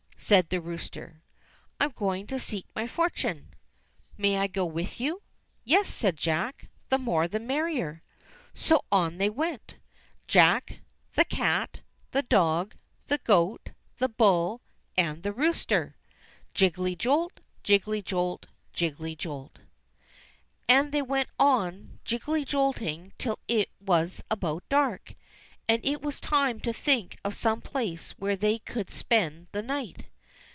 said the rooster. "I am going to seek my fortune." "May I go with you ?" "Yes," said Jack, "the more the merrier." So on they went, Jack, the cat, the dog, the goat, the bull, and the rooster. Jiggelty jolt, jiggelty jolt, jiggelty jolt ! HOW JACK WENT TO SEEK HIS FORTUNE 265 And they went on jiggelty jolting till it was about dark, and it was time to think of some place where they could spend the night.